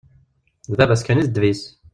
D baba-s kan i d ddeb-is.